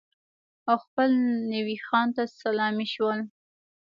او خپل نوي خان ته سلامي شول.